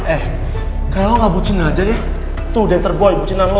eh kayak lo gak bucin aja ya tuh dancer boy bucinan lo